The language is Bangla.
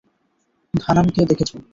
ধানাম কে দেখেছ?